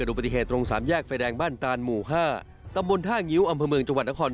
ได้รับบาดเจ็บอยู่บอดที่นั่งข้างคนขับ